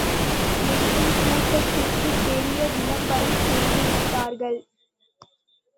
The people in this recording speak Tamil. எனினும் கூட்டத்திற்குப் பெரிய விளம்பரம் செய்து விட்டார்கள்.